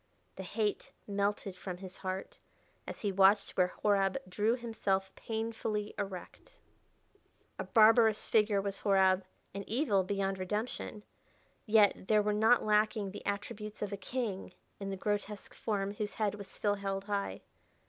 The hate melted from his heart as he watched where Horab drew himself painfully erect. A barbarous figure was Horab, and evil beyond redemption, yet there were not lacking the attributes of a king in the grotesque form whose head was still held high.